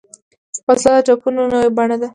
وسله د ټپونو نوې بڼه ده